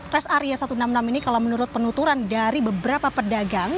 res area satu ratus enam puluh enam ini kalau menurut penuturan dari beberapa pedagang